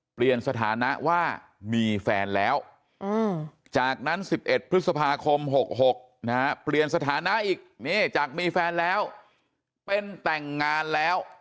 เปลี่ยนสถานะว่ามีแฟนแล้วจากนั้น๑๑พฤษภาคม๖๖นะฮะเปลี่ยนสถานะอีกนี่จากมีแฟนแล้วเป็นแต่งงานแล้ว